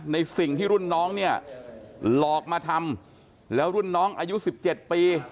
ในสิ่งที่รุ่นน้องเนี่ยหลอกมาทำแล้วรุ่นน้องอายุ๑๗ปี